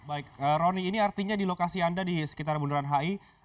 baik roni ini artinya di lokasi anda di sekitar bundaran hi